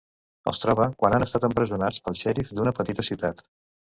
Els troba quan han estat empresonats pel xèrif d'una petita ciutat.